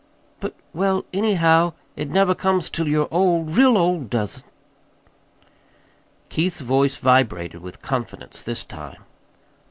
"But well, anyhow, it never comes till you're old real old, does it?" Keith's voice vibrated with confidence this time.